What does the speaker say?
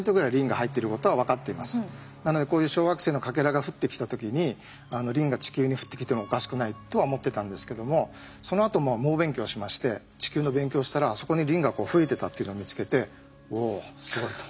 なのでこういう小惑星のかけらが降ってきた時にリンが地球に降ってきてもおかしくないとは思ってたんですけどもそのあと猛勉強しまして地球の勉強をしたらそこにリンが増えてたっていうのを見つけておすごいと。